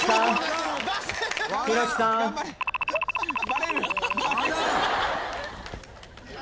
バレる！